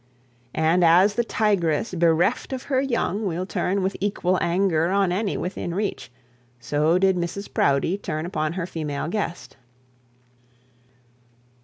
And as the tigress bereft of her young will turn with equal anger on any within reach, so did Mrs Proudie turn upon her female guest.